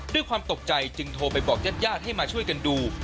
ด้วยความตกใจจึงโทรไปบอกญาติญาติให้มาช่วยกันดู